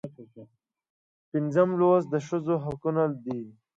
پنځم لوست د ښځو حقونه دي.